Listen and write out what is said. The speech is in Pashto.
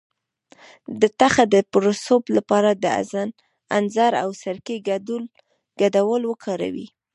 د تخه د پړسوب لپاره د انځر او سرکې ګډول وکاروئ